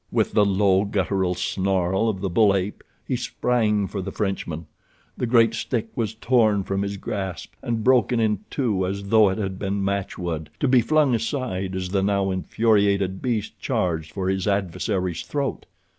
With the low, guttural snarl of the bull ape he sprang for the Frenchman. The great stick was torn from his grasp and broken in two as though it had been matchwood, to be flung aside as the now infuriated beast charged for his adversary's throat.